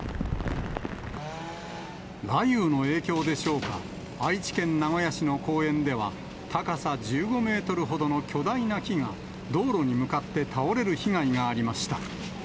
雷雨の影響でしょうか、愛知県名古屋市の公園では、高さ１５メートルほどの巨大な木が、道路に向かって倒れる被害がありました。